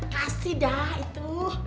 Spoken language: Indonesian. kasih dah itu